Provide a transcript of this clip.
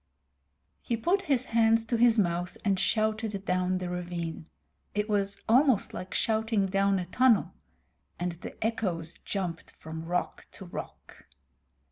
He put his hands to his mouth and shouted down the ravine it was almost like shouting down a tunnel and the echoes jumped from rock to rock.